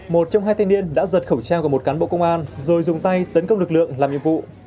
một trong hai thanh niên đã giật khẩu trang của một cán bộ công an rồi dùng tay tấn công lực lượng làm nhiệm vụ